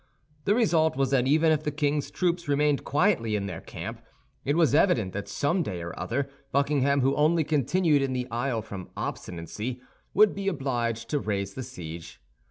The result was that even if the king's troops remained quietly in their camp, it was evident that some day or other, Buckingham, who only continued in the Isle from obstinacy, would be obliged to raise the siege.